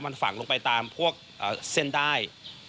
มันฝังลงไปตามเส้นด้าย